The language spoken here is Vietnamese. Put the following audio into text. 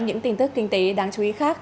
những tin tức kinh tế đáng chú ý khác